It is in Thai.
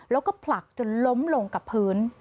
แล้วก็ผลักจนล้มลงกับพื้น